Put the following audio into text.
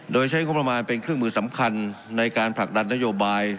โดยใช้งบประมาณเป็นเครื่องมือสำคัญในการผลักดันนโยบาย